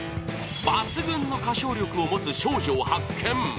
抜群の歌唱力を持つ少女を発見。